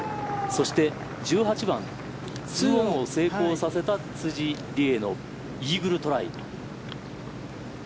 そして、１８番２オンを成功させた辻梨恵のイーグルトライ。